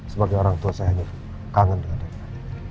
sebagai orang tua saya hanya kangen dengan dia